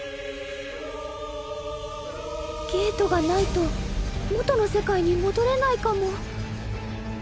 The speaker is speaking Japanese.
ゲートがないと元の世界に戻れないかも。